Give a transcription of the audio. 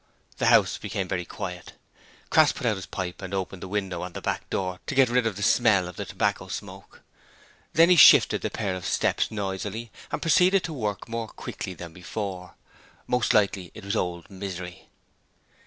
The house became very quiet. Crass put out his pipe and opened the window and the back door to get rid of the smell of the tobacco smoke. Then he shifted the pair of steps noisily, and proceeded to work more quickly than before. Most likely it was old Misery.